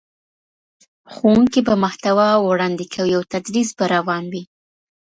ښوونکی به محتوا وړاندي کوي او تدريس به روان وي.